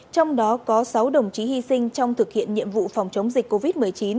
trong đó có sáu đồng chí hy sinh trong thực hiện nhiệm vụ phòng chống dịch covid một mươi chín